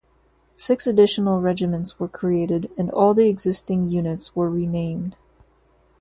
Six additional regiments were created, and all the existing units were renamed.